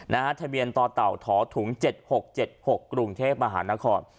ทะเบียนต่อเต่าถอถุง๗๖๗๖กรุงเทพมหานคร